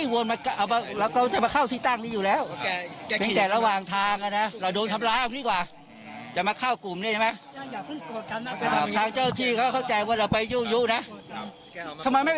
บอกว่าใกล้มวงนี่นะครับ